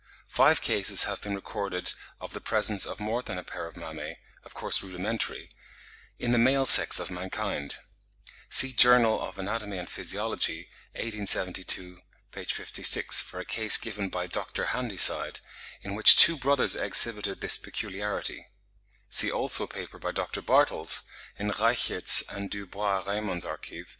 Five cases have been recorded of the presence of more than a pair of mammae (of course rudimentary) in the male sex of mankind; see 'Journal of Anat. and Physiology,' 1872, p. 56, for a case given by Dr. Handyside, in which two brothers exhibited this peculiarity; see also a paper by Dr. Bartels, in 'Reichert's and du Bois Reymond's Archiv.